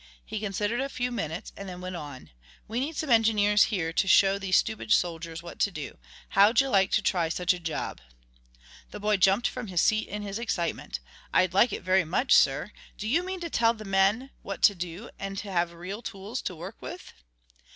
He considered a few minutes, and then went on. "We need some engineers here to show these stupid soldiers what to do. How'd you like to try such a job?" The boy jumped from his seat in his excitement. "I'd like it very much, sir. Do you mean to tell the men what to do, and to have real tools to work with?"